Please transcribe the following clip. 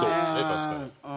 確かに。